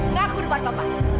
ngaku di depan bapak